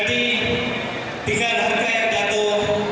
jadi tingkat harga yang jatuh